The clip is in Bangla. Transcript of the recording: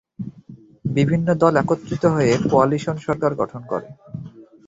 বিভিন্ন দল একত্রিত হয়ে কোয়ালিশন সরকার গঠন করে।